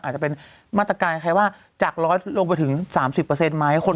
อาจจะเป็นมาตรการใครว่าจาก๑๐๐ลงไปถึง๓๐ไหม